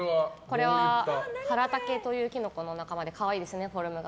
これはハラタケというキノコの仲間で可愛いですよね、フォルムが。